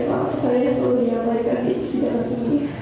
saya selalu diapaikan di posisi yang tinggi